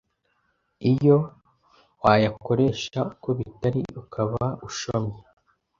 iyo wayakoresha uko bitari ukaba ushyomye,